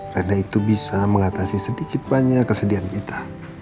karena itu bisa mengatasi sedikit banyak kesedihan kita